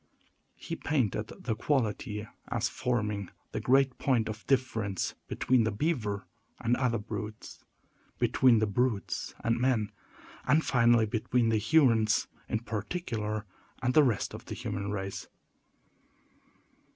He painted the quality as forming the great point of difference between the beaver and other brutes; between the brutes and men; and, finally, between the Hurons, in particular, and the rest of the human race.